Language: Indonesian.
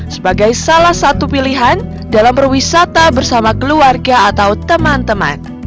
sebagai salah satu pilihan dalam berwisata bersama keluarga atau teman teman